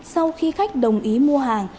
sau khi khách đồng ý mua hàng